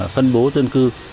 phân bố dân cư